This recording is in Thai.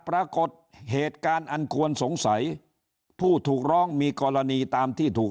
ปรากฏเหตุการณ์อันควรสงสัยผู้ถูกร้องมีกรณีตามที่ถูก